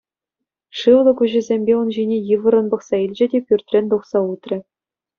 Шывлӑ куҫӗсемпе ун ҫине йывӑррӑн пӑхса илчӗ те пӱртрен тухса утрӗ.